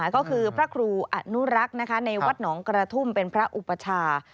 ก็คือพระครูอนุรักษ์ในวัดหนองกระทุ่มเป็นพระอุปชา